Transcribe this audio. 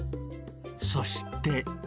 そして。